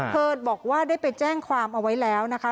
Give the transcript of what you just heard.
เธอบอกว่าได้ไปแจ้งความเอาไว้แล้วนะคะ